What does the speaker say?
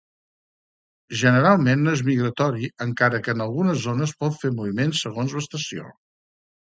Generalment no es migratori, encara que en algunes zones pot fer moviments segons l"estació.